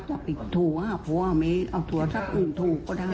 เพราะว่าเมฆเอาถูกว่าสักอื่นถูกก็ได้